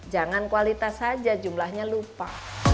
jangan kualitas saja jumlahnya lupa